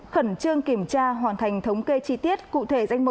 khẩn trương kiểm tra hoàn thành thống kê chi tiết cụ thể danh mục